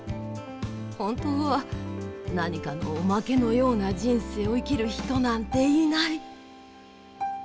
本当は何かのおまけのような人生を生きる人なんていない。